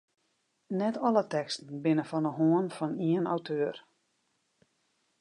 Net alle teksten binne fan de hân fan ien auteur.